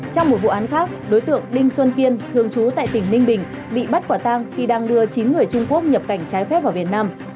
trong một vụ án khác đối tượng đinh xuân kiên thường trú tại tỉnh ninh bình bị bắt quả tang khi đang đưa chín người trung quốc nhập cảnh trái phép vào việt nam